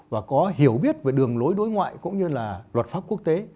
và có hiểu biết về đường lối đối ngoại cũng như là luật pháp quốc tế